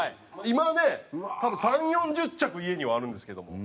今ね多分３０４０着家にはあるんですけども。